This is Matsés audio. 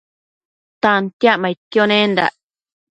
Tantiacmaidquio nendac